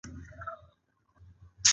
آیا دوی اوبه او هوا نه ساتي؟